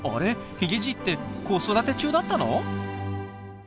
ヒゲじいって子育て中だったの？